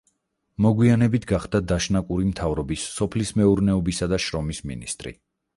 მოგვიანებით გახდა დაშნაკური მთავრობის სოფლის მეურნეობისა და შრომის მინისტრი.